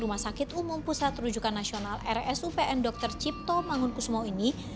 rumah sakit umum pusat terujukan nasional rsupn dr cipto mangun kusmo ini